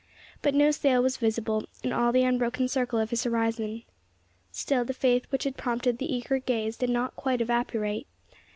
But no sail was visible in all the unbroken circle of his horizon. Still the faith which had prompted the eager gaze did not quite evaporate.